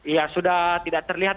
ya sudah tidak terlihat